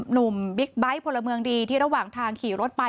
บิ๊กไบท์พลเมืองดีที่ระหว่างทางขี่รถไป